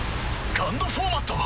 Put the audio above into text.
ＧＵＮＤフォーマット！